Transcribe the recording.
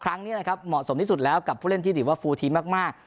ครั้งนี้นะครับเหมาะสมที่สุดแล้วกับผู้เล่นที่ถือว่าฟูลทีมมาก